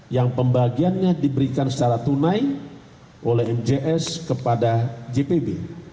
yang pembagiannya diberikan secara tunai oleh mjs kepada jpb